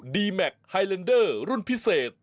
แมคไฮเลนเดอร์รุ่นพิเศษ